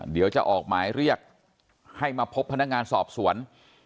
เดี๋ยวจะออกหมายเรียกให้มาพบพนักงานสอบสวน